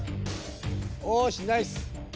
おしナイス。